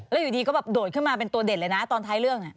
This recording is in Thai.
แล้วอยู่ดีก็แบบโดดขึ้นมาเป็นตัวเด่นเลยนะตอนท้ายเรื่อง